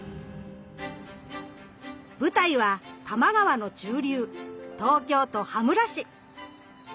舞台は多摩川の中流東京都羽村市。